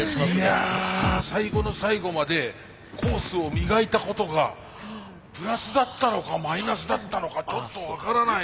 いや最後の最後までコースを磨いたことがプラスだったのかマイナスだったのかちょっと分からない。